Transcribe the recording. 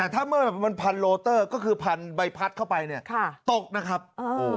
ถ้าเมื่อมันพันโลเตอร์ก็คือพันใบพัดเข้าไปเนี่ยค่ะตกนะครับโอ้โห